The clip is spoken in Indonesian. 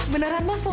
beneran mas mobil